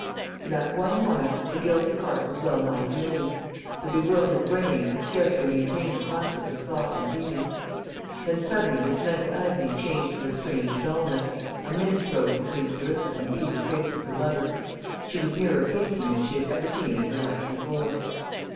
In that one moment the guilty heart was well nigh yielding; the bewildered brain could scarcely maintain the conflict of thought and feeling. Then suddenly this mental agony changed to a strange dulness, a mist rose between Clarissa and the eager face of her lover. She was nearer fainting than she had ever been in her life before.